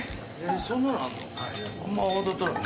そんなのあるの？